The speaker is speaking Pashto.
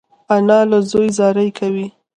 انا له زوی زاری کوي